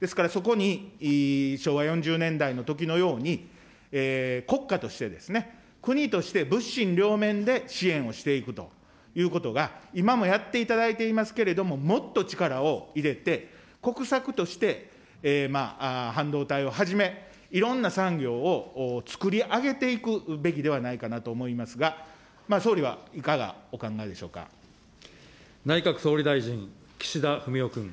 ですから、そこに昭和４０年代のときのように、国家としてですね、国として物心両面で支援をしていくということが、今もやっていただいていますけれども、もっと力を入れて、国策として、半導体をはじめ、いろんな産業をつくり上げていくべきではないかなと思いますが、内閣総理大臣、岸田文雄君。